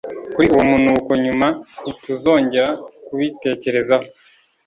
kuri uwo munuko nyuma ntituzongera kubitekerezaho